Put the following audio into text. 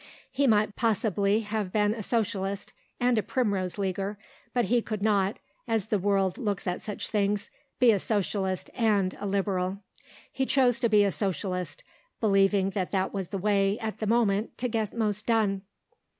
He might possibly have been a Socialist and a Primrose Leaguer, but he could not, as the world looks at such things, be a Socialist and a Liberal. He chose to be a Socialist, believing that that was the way, at the moment, to get most done.